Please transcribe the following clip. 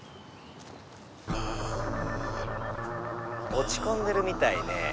おちこんでるみたいねえ。